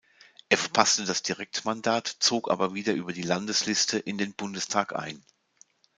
Er verpasste das Direktmandat, zog aber wieder über die Landesliste in den Bundestag ein.